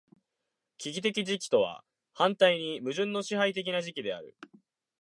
危機的時期とは反対に矛盾の支配的な時期である。